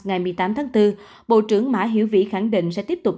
ngày một mươi tám tháng bốn bộ trưởng mã hiễu vĩ khẳng định sẽ tiếp tục